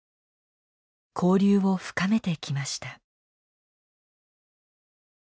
交流を深めてきました。